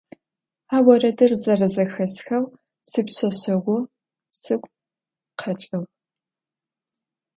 А орэдыр зэрэзэхэсхэу сипшъэшъэгъу сыгу къэкӀыгъ.